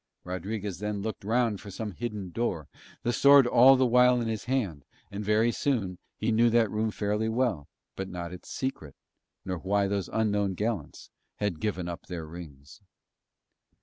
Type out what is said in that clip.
Rodriguez then looked round for some hidden door, the sword all the while in his hand, and very soon he knew that room fairly well, but not its secret, nor why those unknown gallants had given up their rings.